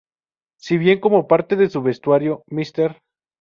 Si bien como parte de su vestuario, Mr.